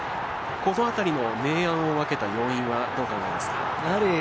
この辺りの明暗を分けた要因はどう考えますか？